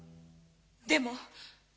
でも！